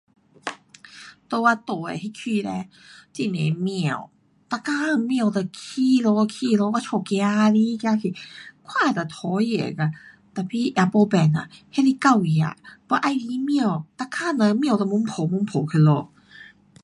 在我住的那区嘞，很多猫。每天猫都起落起落我家，走来走去，看了都讨厌啊，tapi, 也没变啦，那是隔壁又喜欢猫，每天都随抱随抱回家。